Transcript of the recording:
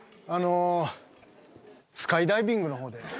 あのスカイダイビングの方で。